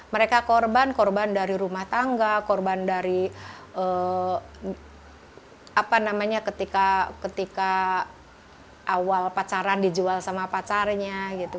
mereka korban korban dari rumah tangga korban dari ketika awal pacaran dijual sama pacarnya